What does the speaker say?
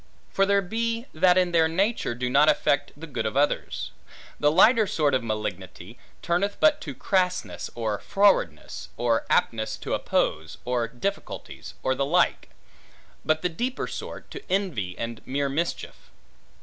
For there be, that in their nature do not affect the good of others. The lighter sort of malignity, turneth but to a crassness, or frowardness, or aptness to oppose, or difficulties, or the like; but the deeper sort, to envy and mere mischief.